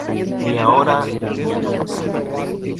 Ni ahora ni nunca".